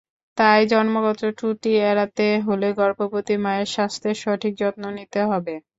তাই জন্মগত ত্রুটি এড়াতে হলে গর্ভবতী মায়ের স্বাস্থ্যের সঠিক যত্ন নিতে হবে।